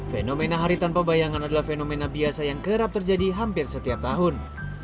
fenomena hari tanpa bayangan adalah fenomena biasa yang kerap terjadi hampir setiap tahun